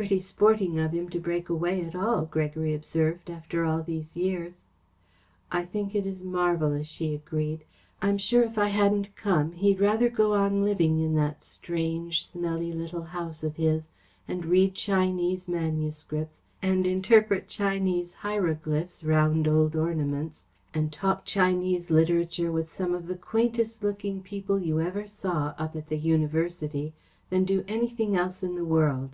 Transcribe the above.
"Pretty sporting of him to break away at all," Gregory observed, "after all these years." "I think it is marvellous," she agreed. "I am sure if I hadn't come, he'd rather go on living in that strange, smelly little house of his and read Chinese manuscripts and interpret Chinese hieroglyphics round old ornaments, and talk Chinese literature with some of the quaintest looking people you ever saw up at the University, than do anything else in the world."